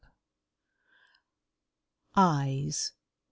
] EYES.